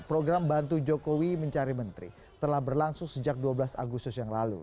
program bantu jokowi mencari menteri telah berlangsung sejak dua belas agustus yang lalu